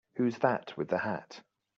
Who's that with the hat?